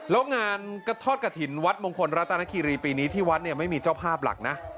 แล้วงานกฮรรย์กะถิ่นวัดมงคลรัตนขฯปีนี้ที่วัดไม่มีเจ้าภาพหลักนะ